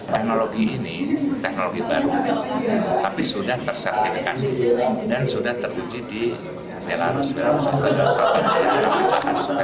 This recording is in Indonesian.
teknologi ini teknologi baru tapi sudah tersertifikan dan sudah terwujud di belarus belarus indonesia dan juga di indonesia